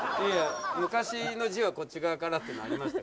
昔の字はこっち側からってありました。